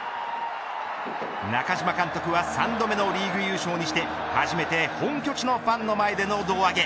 中嶋監督は３度目のリーグ優勝にして初めて本拠地のファンの前での胴上げ。